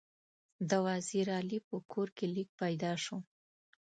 د وزیر علي په کور کې لیک پیدا شو.